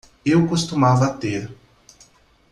Eu costumava ter